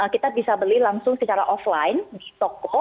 kita bisa beli langsung secara offline di toko